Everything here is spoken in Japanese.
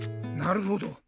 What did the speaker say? なるほど。